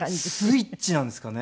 スイッチなんですかね？